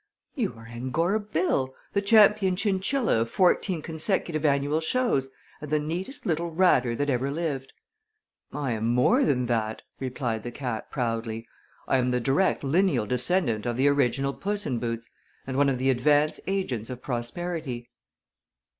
"You are Angora Bill, the Champion Chinchilla of fourteen consecutive annual shows, and the neatest little ratter that ever lived." "I am more than that," replied the cat, proudly. "I am the direct lineal descendant of the original Puss in Boots, and one of the advance agents of prosperity."